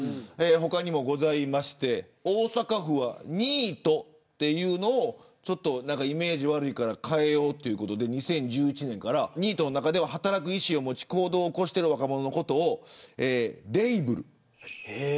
他にもございまして、大阪府はニートというのをイメージが悪いから変えようということで２０１１年から働く意思を持ち行動を起こしている若者のことをレイブル。